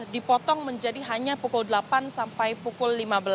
dipotong menjadi hanya pukul delapan sampai pukul lima belas